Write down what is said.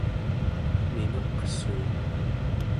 mingeqsuun